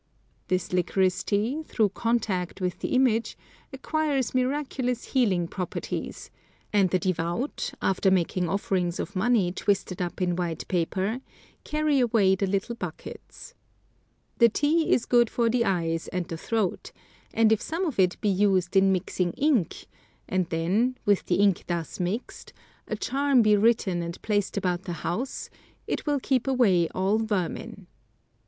This licorice tea, through contact with the image, acquires miraculous healing properties, and the devout, after making offerings of money twisted up in white paper, carry away the little buckets. The tea is good for the eyes and the throat, and if some of it be used in mixing ink, and then, with the ink thus mixed, a charm be written and placed about the house, it will keep away all vermin.